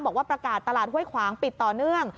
บอกว่าประกาศตลาดห้วยขวางปิดต่อเนื่อง